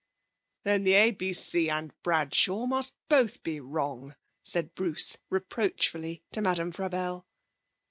'Then the ABC and Bradshaw must both be wrong,' said Bruce reproachfully to Madame Frabelle.